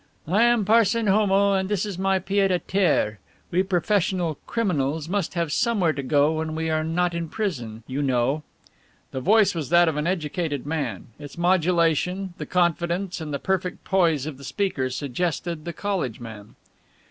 "I am Parson Homo and this is my pied à terre. We professional criminals must have somewhere to go when we are not in prison, you know." The voice was that of an educated man, its modulation, the confidence and the perfect poise of the speaker suggested the college man.